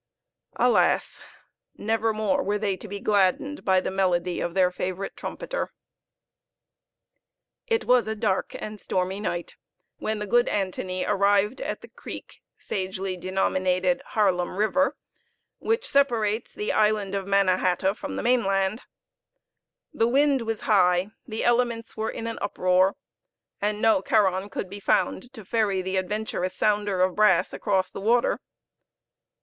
Alas! never more were they to be gladdened by the melody of their favorite trumpeter. It was a dark and stormy night when the good Antony arrived at the creek (sagely denominated Haerlem river) which separates the island of Manna hata from the mainland. The wind was high, the elements were in an uproar, and no Charon could be found to ferry the adventurous sounder of brass across the water.